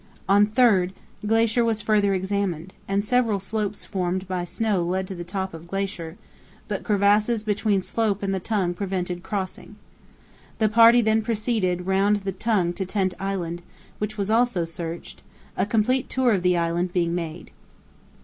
On 3rd, glacier was further examined, and several slopes formed by snow led to top of glacier, but crevasses between slope and the tongue prevented crossing. The party then proceeded round the Tongue to Tent Island, which was also searched, a complete tour of the island being made.